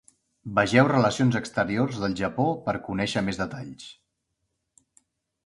Vegeu Relacions exteriors del Japó per conèixer més detalls.